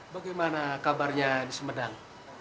bagaimana kabarnya di semedang